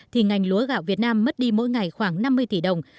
thì ngành lúa gạo việt nam mất đi mỗi ngày khoảng năm mươi tỷ đồng